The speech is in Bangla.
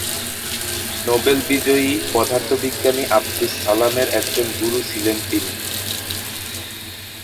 নোবেল বিজয়ী পদার্থবিজ্ঞানী আবদুস সালামের একজন গুরু ছিলেন তিনি।